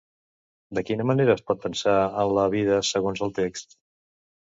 De quina manera es pot pensar en la vida segons el text?